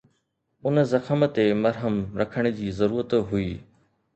ان زخم تي مرهم رکڻ جي ضرورت هئي.